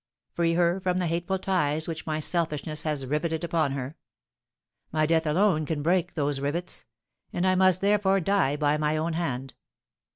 Free her from the hateful ties which my selfishness has riveted upon her. My death alone can break those rivets; and I must, therefore, die by my own hand!"